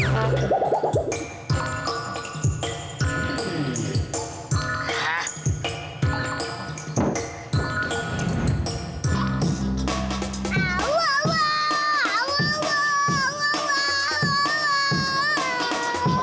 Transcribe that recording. dadah aku bisa keluar